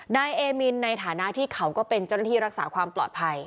นายเอมินในฐานะที่เขาก็เป็นเจ้าหน้าที่รักษาความปลอดภัย